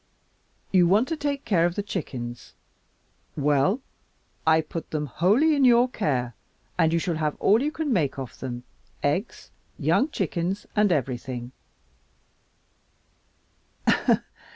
You want to take care of the chickens. Well, I put them wholly in your care and you shall have all you can make off them eggs, young chickens, and everything."